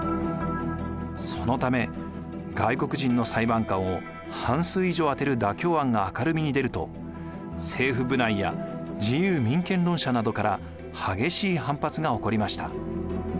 そのため外国人の裁判官を半数以上あてる妥協案が明るみに出ると政府部内や自由民権論者などから激しい反発が起こりました。